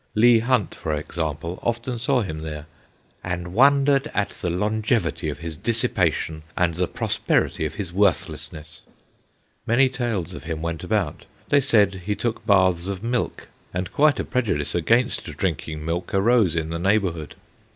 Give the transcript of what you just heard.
Leigh Hunt, for example, often saw him there, ' and wondered at the longevity of his dissipation and the prosperity of his worthlessness.' Many tales of him went about. They said he took baths of milk, and quite a prejudice against drinking milk arose in the neighbourhood.